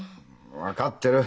分かってる！